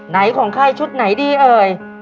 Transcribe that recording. ไหนของไข้ชุดไหนดีเอ่ย